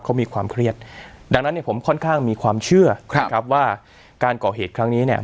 เขามีความเครียดดังนั้นเนี่ยผมค่อนข้างมีความเชื่อนะครับว่าการก่อเหตุครั้งนี้เนี่ย